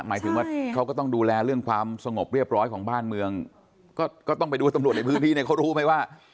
หมายถึงว่าเขาก็ต้องดูแลเรื่องความสงบเรียบร้อยของบ้านเมืองก็ต้องไปดูว่าตำรวจในพื้นที่เนี่ยเขารู้ไหมว่า